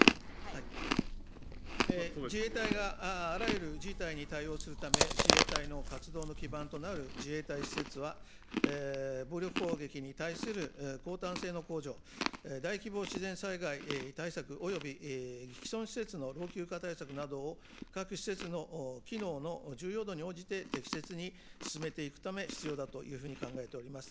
自衛隊があらゆる事態に対応するため、自衛隊の活動の基盤となる自衛隊施設は、武力攻撃に対する抗堪性の向上、大規模自然災害対策および既存施設の老朽化対策などを、各施設の機能の重要度に応じて、適切に進めていくため、必要だというふうに考えております。